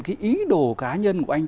cái ý đồ cá nhân của anh